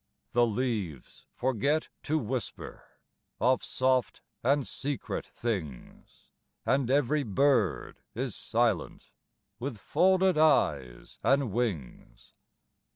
The leaves forget to whisper Of soft and secret things, And every bird is silent, With folded eyes and wings.